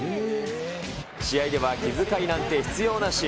試合では気遣いなんて必要なし。